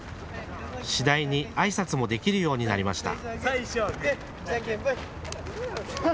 次第にあいさつもできるようになりました。